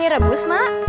ini rebus mak